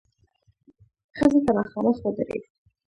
ښځې ته مخامخ ودرېد.